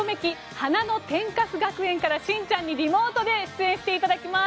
花の天カス学園」からしんちゃんにリモートで出演していただきます。